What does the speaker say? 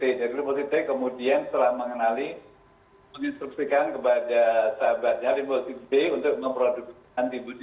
jadi limbosid t kemudian setelah mengenali menginstruksikan kepada sahabatnya limbosid b untuk memproduksi antibody